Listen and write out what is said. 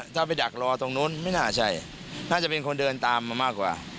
ถ้าไปดักรอตรงนู้นไม่น่าใช่น่าจะเป็นคนเดินตามมามากกว่า